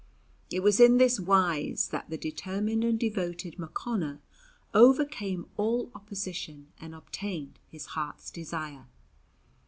It was in this wise that the determined and devoted Mochonna overcame all opposition and obtained his heart's desire.